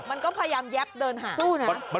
มันก็พยายามแยบเดินหานะ